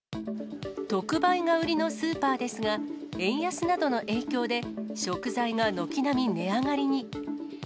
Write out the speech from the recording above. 特売が売りのスーパーですが、円安などの影響で食材が軒並み値上がりに。